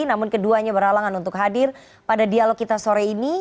namun keduanya beralangan untuk hadir pada dialog kita sore ini